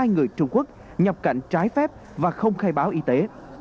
hai người trung quốc nhập cảnh trái phép và không khai báo y tế